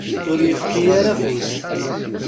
Ur yefki ara afus.